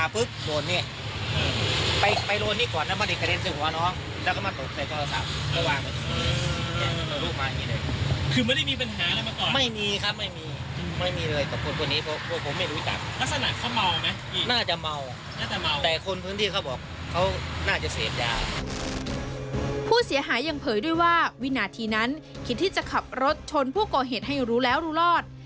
ผู้เสียหายยังเผยด้วยว่าวินาทีนั้นคิดที่จะขับรถชนผู้ก่อเหตุให้รู้แล้วรู้รอด